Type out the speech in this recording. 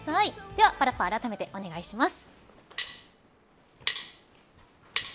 では、パラッパあらためてお願いします。